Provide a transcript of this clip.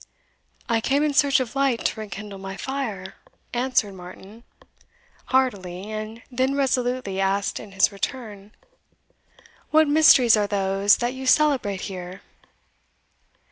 "I came in search of light to rekindle my fire," answered Martin, hardily, and then resolutely asked in his turn, "What mysteries are those that you celebrate here?"